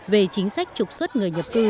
về chính sách trục xuất người nhập cư